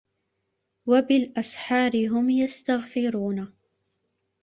وَبِالأَسحارِ هُم يَستَغفِرونَ